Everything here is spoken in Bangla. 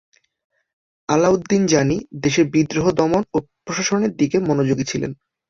আলাউদ্দীন জানী দেশের বিদ্রোহ দমন ও প্রশাসনের দিকে মনোযোগী ছিলেন।